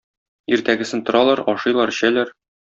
Иртәгесен торалар, ашыйлар-эчәләр.